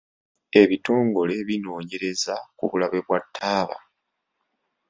Ebitongole binoonyereza ku bulabe bwa taaba.